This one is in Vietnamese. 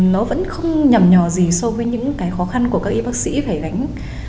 nó vẫn không nhầm nhò gì so với những cái khó khăn của các y bác sĩ phải gánh